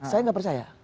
saya tidak percaya